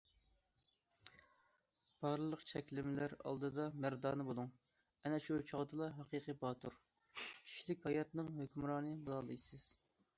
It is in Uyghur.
بارلىق چەكلىمىلەر ئالدىدا مەردانە بۇلۇڭ، ئەنە شۇ چاغدىلا ھەقىقىي باتۇر، كىشىلىك ھاياتنىڭ ھۆكۈمرانى بولالايسىز.